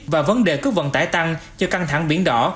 và vấn đề cướp vận tải tăng cho căng thẳng biển đỏ